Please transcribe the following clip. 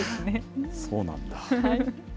そうなんだ。